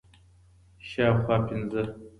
شاوخوا پنځه